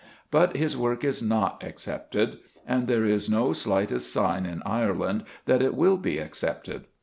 But his work is not accepted, and there is no slightest sign in Ireland that it will be accepted.